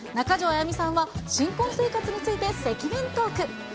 やみさんは、新婚生活について赤面トーク。